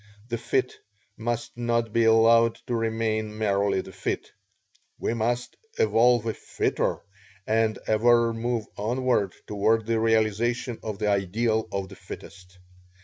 The fit must not be allowed to remain merely the fit we must evolve a fitter and ever move onward toward the realization of the ideal of the fittest.